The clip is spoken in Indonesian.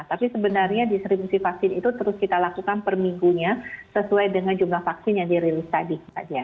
tapi sebenarnya distribusi vaksin itu terus kita lakukan per minggunya sesuai dengan jumlah vaksin yang dirilis tadi